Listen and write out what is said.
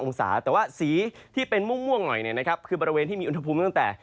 องศาแต่ว่าสีที่เป็นม่วงหน่อยเนี่ยนะครับคือบริเวณที่มีอุณหภูมิตั้งแต่